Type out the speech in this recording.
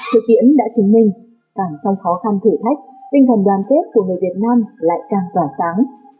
thực tiễn đã chứng minh càng trong khó khăn thử thách tinh thần đoàn kết của người việt nam lại càng tỏa sáng